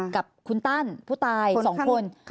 กับคุณตั้นผู้ตาย๒คน